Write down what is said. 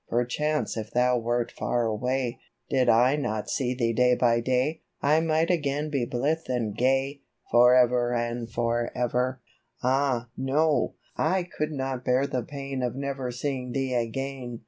Perchance if thou wert far away, Did I not see thee day by day, I might again be blithe and gay. For ever and for ever !" For Ever and for Ever /'* 53 Ah, no ! I could not bear the pain Of never seeing thee again